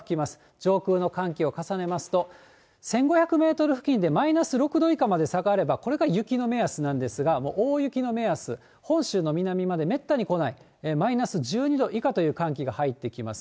上空の寒気を重ねますと、１５００メートル付近でマイナス６度以下まで下がればこれが雪の目安なんですが、大雪の目安、本州の南までめったに来ない、マイナス１２度以下という寒気が入ってきます。